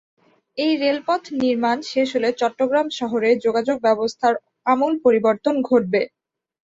এই রেলপথ নির্মাণ শেষ হলে চট্টগ্রাম শহরে যোগাযোগ ব্যবস্থার আমূল পরিবর্তন ঘটবে।